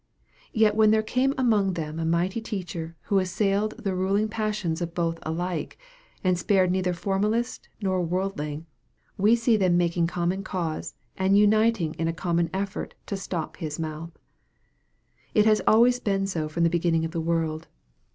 Yet when there came among them a mighty teacher who assailed the ruling passions of both alike, and spared neither formalist nor worldling, we see them making common cause, and uniting in a common effort to stop His mouth. It has always been so from the beginning of the world.